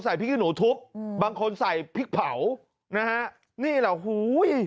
พริกขี้หนูทุบอืมบางคนใส่พริกเผานะฮะนี่แหละอุ้ย